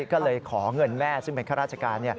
ก็เลยขอเงินแม่ซึ่งเป็นข้าราชการ